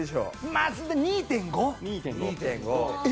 まあ２．５。え？